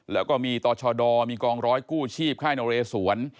แล้วก็มีต่อชดมีกองร้อยกู้ชีพค่ายนเรสวน